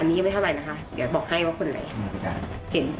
อันนี้ไม่เข้าใดนะคะเดี๋ยวบอกให้ว่าคนไหน